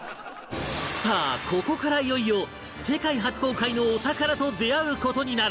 さあここからいよいよ世界初公開のお宝と出会う事になる